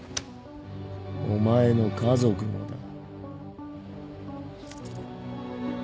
お前の家族もだ